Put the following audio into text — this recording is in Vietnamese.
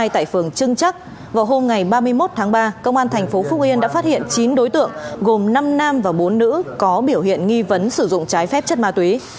tại phường trưng chắc vào hôm ngày ba mươi một tháng ba công an thành phố phúc yên đã phát hiện chín đối tượng gồm năm nam và bốn nữ có biểu hiện nghi vấn sử dụng trái phép chất ma túy